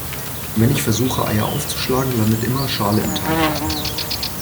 Wenn ich versuche Eier aufzuschlagen, landet immer Schale im Teig.